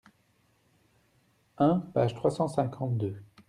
un, page trois cent cinquante-deux).